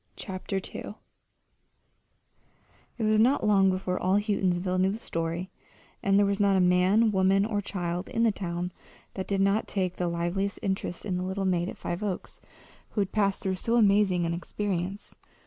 CHAPTER II It was not long before all Houghtonsville knew the story, and there was not a man, woman, or child in the town that did not take the liveliest interest in the little maid at Five Oaks who had passed through so amazing an experience.